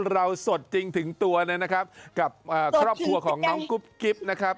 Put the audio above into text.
สดจริงถึงตัวเลยนะครับกับครอบครัวของน้องกุ๊บกิ๊บนะครับ